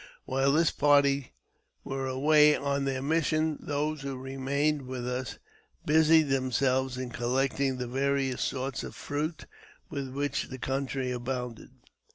While this party were away on their mission, those who remained with us busied themselves in collecting the various sorts of fruit with which the country abounded.